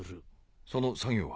その作業は？